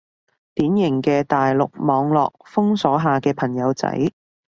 典型嘅大陸網絡封鎖下嘅朋友仔